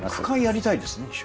やりたいですね。